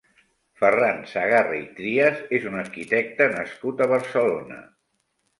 Ferran Sagarra i Trias és un arquitecte nascut a Barcelona.